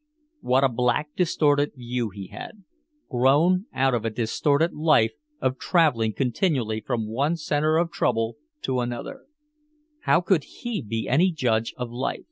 K. What a black distorted view he had grown out of a distorted life of traveling continually from one center of trouble to another. How could he be any judge of life?